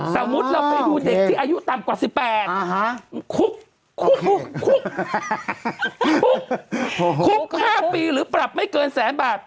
สมมุติเราไปดูเด็กที่อายุต่ำกว่า๑๘คุก๕ปีหรือปรับไม่เกินแสนบาท